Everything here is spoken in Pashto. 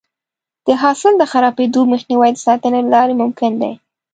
د حاصل د خرابېدو مخنیوی د ساتنې له لارې ممکن دی.